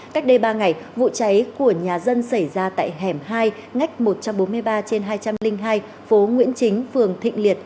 cách đây ba ngày vụ cháy của nhà dân xảy ra tại hẻm hai ngách một trăm bốn mươi ba trên hai trăm linh hai phố nguyễn chính phường thịnh liệt